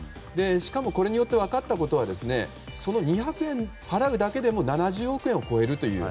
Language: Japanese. しかもこれによって分かったことはその２００円払うだけでも７０億円を超えるという。